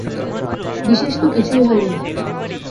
বিশেষ তো কিছুই হয় নাই।